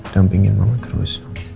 dampingin mama terus